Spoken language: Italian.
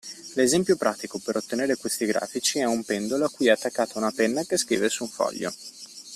L'esempio pratico per ottenere questi grafici è un pendolo a cui è attaccata una penna che scrive su un foglio.